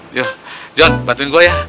yuk john bantuin gue ya